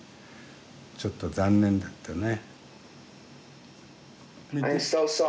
ちょっと残念だったね。